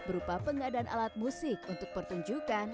berupa pengadaan alat musik untuk pertunjukan